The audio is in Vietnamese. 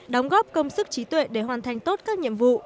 đóng góp công sức trí tuệ để hoàn thành tốt các nhiệm vụ